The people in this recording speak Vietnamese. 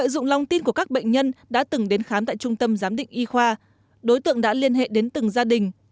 dụng lòng tin của các bệnh nhân đã từng đến khám tại trung tâm giám định y khoa đối tượng đã liên hệ đến từng gia đình